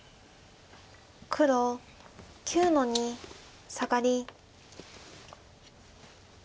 黒９の二サガリ。